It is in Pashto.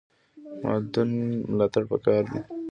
د مادون ملاتړ پکار دی